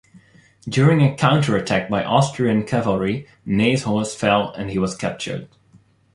During a counterattack by Austrian cavalry Ney's horse fell and he was captured.